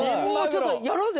やろうぜ。